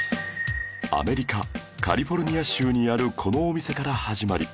アメリカカリフォルニア州にあるこのお店から始まり